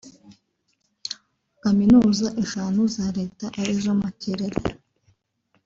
Kaminuza eshanu za leta ari zo Makerere